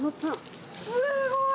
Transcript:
すごい！